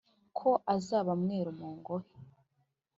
ko azaba mweru mu ngohe.